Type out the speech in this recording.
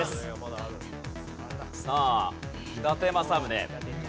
さあ伊達政宗。